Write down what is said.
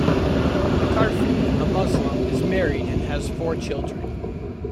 Makarfi, a Muslim, is married and has four children.